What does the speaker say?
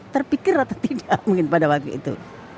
terpikir atau tidak mungkin pada waktu itu